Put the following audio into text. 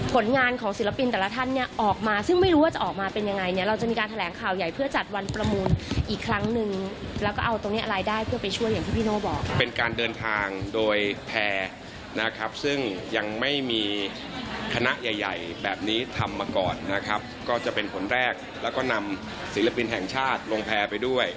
ผลงานของศิลปินแต่ละท่านเนี่ยออกมาซึ่งไม่รู้ว่าจะออกมาเป็นยังไงเนี่ยเราจะมีการแถลงข่าวใหญ่เพื่อจัดวันประมูลอีกครั้งหนึ่งแล้วก็เอาตรงเนี้ยอะไรได้เพื่อไปช่วยอย่างที่พี่โน่บอกเป็นการเดินทางโดยแพร่นะครับซึ่งยังไม่มีคณะใหญ่ใหญ่แบบนี้ทำมาก่อนนะครับก็จะเป็นผลแรกแล้วก็นำศิลปินแห่งชาติลงแพรไปด้วย